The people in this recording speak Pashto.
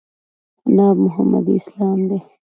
ناب محمدي اسلام دی.